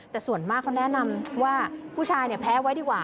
แต่ส่วนมากเขาแนะนำว่าผู้ชายเนี่ยแพ้ไว้ดีกว่า